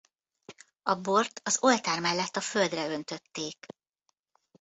A bort az oltár mellett a földre öntötték.